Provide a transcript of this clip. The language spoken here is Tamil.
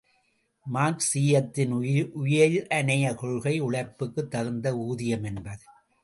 மார்க்சீயத்தின் உயிரனைய கொள்கை, உழைப்புக்குத் தகுந்த ஊதியம் என்பது.